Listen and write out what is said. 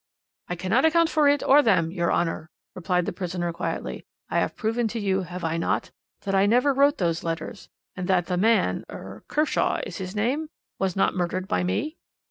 "'I cannot account for it or them, your Honour,' replied the prisoner quietly. 'I have proved to you, have I not, that I never wrote those letters, and that the man er Kershaw is his name? was not murdered by me?'